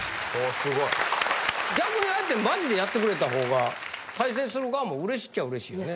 逆にああやってマジでやってくれた方が対戦する側もうれしいっちゃうれしいよね。